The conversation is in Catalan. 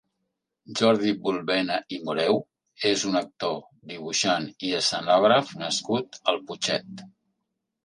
Jordi Bulbena i Moreu és un actor, dibuixant i escenògraf nascut al Putxet.